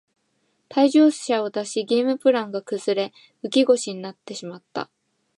退場者を出しゲームプランが崩れ浮き腰になってしまった